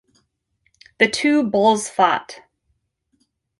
The two bulls fought.